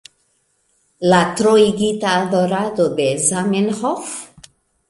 La troigita adorado de Zamenhof?